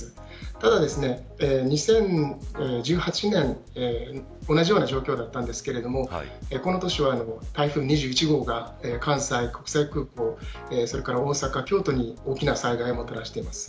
ただ、２０１８年同じような状況だったんですけどこの年は台風２１号が関西国際空港大阪、京都に大きな災害をもたらしています。